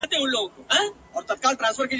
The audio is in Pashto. لکه نه وي پر کښتۍ توپان راغلی !.